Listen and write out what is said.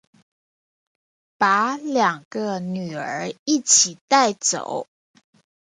把两个女儿一起带走